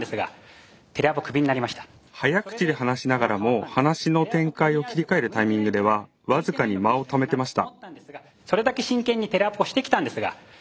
早口で話しながらも話の展開を切り替えるタイミングでは僅かに間をためてました。